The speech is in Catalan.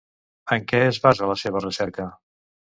En què es basa la seva recerca?